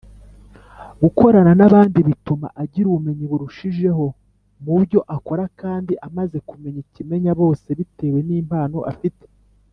Gukorana n’Abandi bituma agira ubumenyi burushijeho mubyo akora kandi amaze kumenya ikimenyabose bitewe n’impano afite.